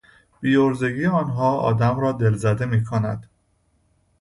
بیعرضگی آنها آدم را دلزده میکند.